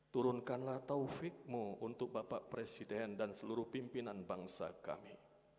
turunkanlah taufikmu untuk bapak presiden dan seluruh pimpinan bangsa kami